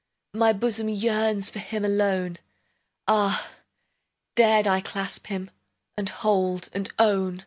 My bosom yearns For him alone; Ah, dared I clasp him, And hold, and own!